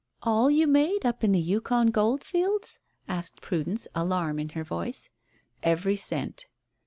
"All you made up at the Yukon goldfields?" asked Prudence, alarm in her voice. "Every cent."